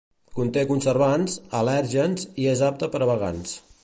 Conté conservants, al·lèrgens i és apte per a vegans.